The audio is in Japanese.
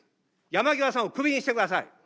山際さんをクビにしてください。